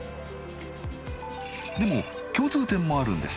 でも共通点もあるんです。